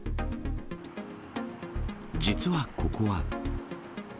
実はここは。